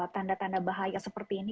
tanda tanda bahaya seperti ini